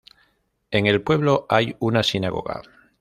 En el pueblo hay una sinagoga.